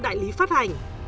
đại lý phát hành